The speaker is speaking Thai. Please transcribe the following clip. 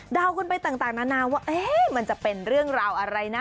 กันไปต่างนานาว่ามันจะเป็นเรื่องราวอะไรนะ